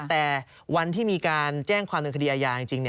แต่วันที่มีการแจ้งความเดินคดีอาญาจริง